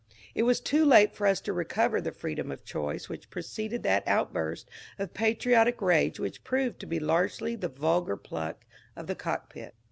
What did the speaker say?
It was too late for us to recover the freedom of choice which preceded that outburst of patriotic rage which proved to be largely the vulgar pluck of the cockpit.